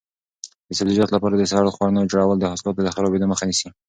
د سبزیجاتو لپاره د سړو خونو جوړول د حاصلاتو د خرابېدو مخه نیسي.